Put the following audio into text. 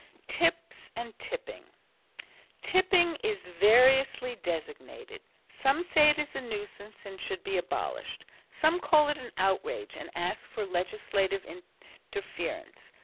Tips and Tipping Tipping is variously designated. Some say it is a nuisance and should be abolished. Some call it an outrage and ask for legislative interference.